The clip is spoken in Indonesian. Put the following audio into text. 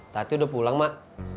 tati udah pulang mak